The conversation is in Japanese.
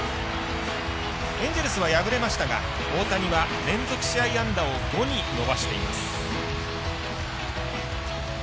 エンジェルスは敗れましたが大谷は連続試合安打を５に伸ばしています。